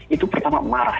itu pertama marah